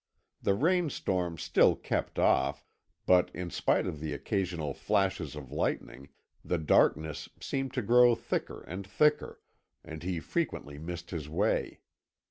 The rainstorm still kept off, but, in spite of the occasional flashes of lightning, the darkness seemed to grow thicker and thicker, and he frequently missed his way.